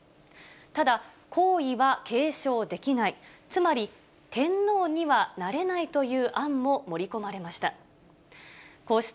ただ、皇位は継承できない、つまり天皇にはなれないという案も盛り込まれました。